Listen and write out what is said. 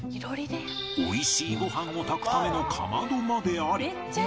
美味しいご飯を炊くためのかまどまであり